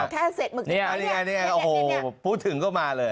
แค่เศษหมึกจริงไหมเนี่ยเนี่ยเนี่ยพูดถึงก็มาเลย